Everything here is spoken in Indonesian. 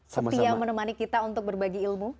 setia menemani kita untuk berbagi ilmu